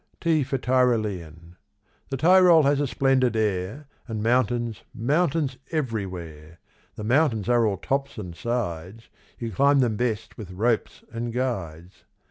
T for Tyrolean. The Tyrol has a splendid air And mountains, mountains everywhere; The mountains are all tops and sides, You climb them best with ropes and guides.